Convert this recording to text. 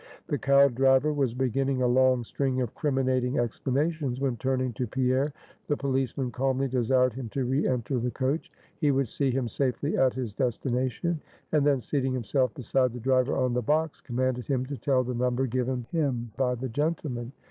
The cowed driver was beginning a long string of criminating explanations, when turning to Pierre, the policeman calmly desired him to re enter the coach; he would see him safely at his destination; and then seating himself beside the driver on the box, commanded him to tell the number given him by the gentleman.